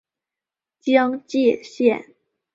江界线